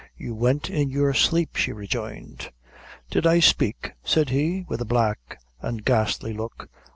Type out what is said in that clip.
"You went in your sleep, she rejoined. "Did I spake?" said he, with a black and; ghastly look.